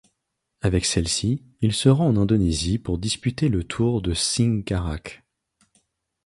Avec celle-ci, il se rend en Indonésie pour disputer le Tour de Singkarak.